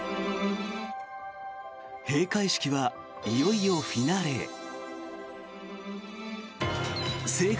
閉会式はいよいよフィナーレへ。